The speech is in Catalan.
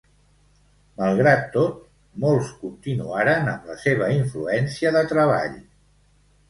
Malgrat tot, molts continuaren amb la seva influència de treball.